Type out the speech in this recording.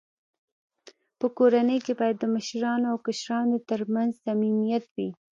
په کورنۍ کي باید د مشرانو او کشرانو ترمنځ صميميت وي.